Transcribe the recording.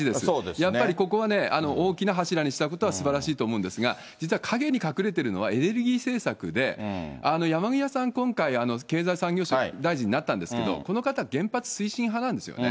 やっぱりここはね、大きな柱にしたことはすばらしいと思うんですが、実は陰に隠れているのは、エネルギー政策で、山際さん、今回、経済産業大臣になったんですけれども、この方、原発推進派なんですよね。